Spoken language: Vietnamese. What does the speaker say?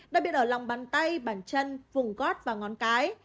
đặc biệt ở lòng bàn tay bàn chân vùng gót và ngón cái